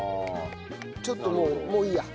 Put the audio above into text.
ちょっともうもういいや。